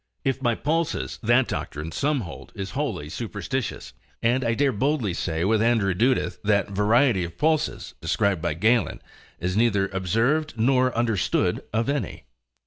If by pulses, that doctrine, some hold, is wholly superstitious, and I dare boldly say with Andrew Dudeth, that variety of pulses described by Galen, is neither observed nor understood of any.